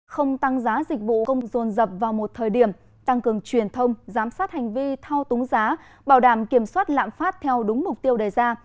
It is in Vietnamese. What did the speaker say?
không tăng giá dịch vụ công dồn dập vào một thời điểm tăng cường truyền thông giám sát hành vi thao túng giá bảo đảm kiểm soát lạm phát theo đúng mục tiêu đề ra